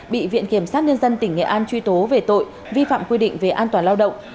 bị viện kiểm sát nhân dân tỉnh nghệ an truy tố về tội vi phạm quy định về an toàn lao động